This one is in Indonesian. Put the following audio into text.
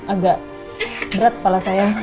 agak berat kepala saya